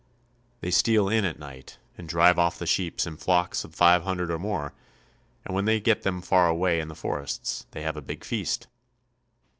They steal in at night and drive off the sheep in flocks of five hundred or more, and when they get them far away in the forests they have a big feast.